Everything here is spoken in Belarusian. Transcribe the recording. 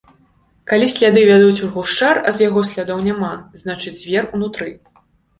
Калі сляды вядуць у гушчар, а з яго слядоў няма, значыць звер унутры.